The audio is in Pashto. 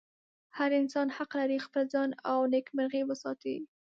هر انسان حق لري خپل ځان او نېکمرغي وساتي.